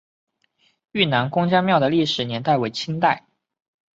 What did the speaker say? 愈南公家庙的历史年代为清代。